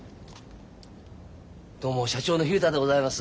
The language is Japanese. どうも社長の蛭田でございます。